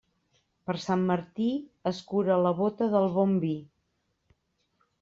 Per Sant Martí, escura la bóta del bon vi.